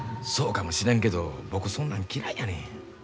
そうかもしれんけど僕そんなん嫌いやねん。